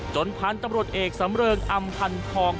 พันธุ์ตำรวจเอกสำเริงอำพันธอง